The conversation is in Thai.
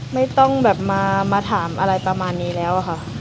ไม่ต้องมาถามอะไรประมาณนี้แล้ว